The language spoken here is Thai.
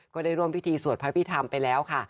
ก็ได้ร่วมพิธีสวดพระพิธรรมไปแล้วค่ะ